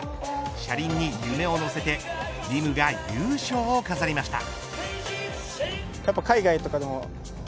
車輪に夢を乗せて輪夢が優勝を飾りました。